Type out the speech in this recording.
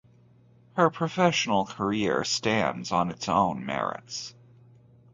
Her professional career stands on its own merits.